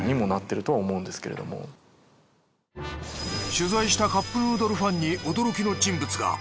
取材したカップヌードルファンに驚きの人物が。